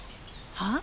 はあ？